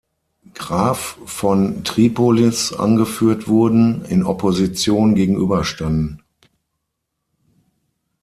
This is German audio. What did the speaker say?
Graf von Tripolis angeführt wurden, in Opposition gegenüberstanden.